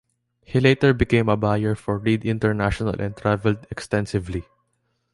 He later became a buyer for Reed International and travelled extensively.